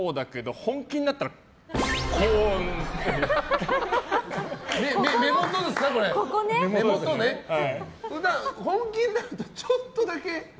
本気になったらちょっとだけ。